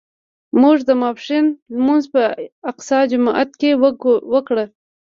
موږ د ماسپښین لمونځ په اقصی جومات کې وکړ.